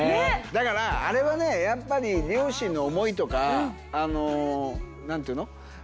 だからあれはねやっぱり両親の思いとかあの何て言うの？